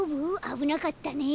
あぶなかったね。